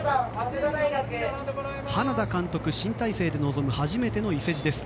花田監督新体制で臨む初めての伊勢路です。